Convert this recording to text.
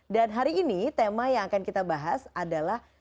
dan hari ini tema yang akan kita bahas adalah